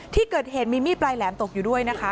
ที่เกิดเหตุมีมีดปลายแหลมตกอยู่ด้วยนะคะ